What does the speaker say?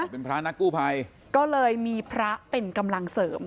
เป็นพระนักกู้ภัยก็เลยมีพระเป็นกำลังเสริม